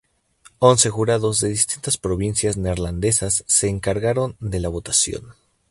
Once jurados de distintas provincias neerlandesas se encargaron de la votación.